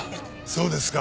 そうですか。